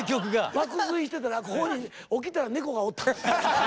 爆睡してたらここに起きたら猫がおった。